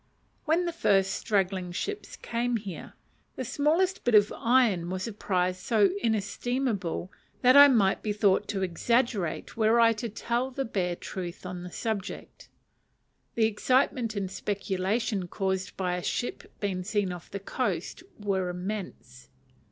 When the first straggling ships came here, the smallest bit of iron was a prize so inestimable that I might be thought to exaggerate were I to tell the bare truth on the subject. The excitement and speculation caused by a ship being seen off the coast were immense.